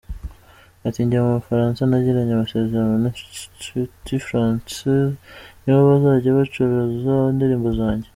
Ati “Njya mu Bufaransa nagiranye amasezerano na Institut Français, nibo bazajya bacuruza indirimbo zanjye.